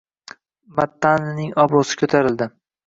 Mattanining obro`si ko`tarildi